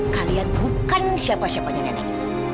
kalian bukan siapa siapanya nenek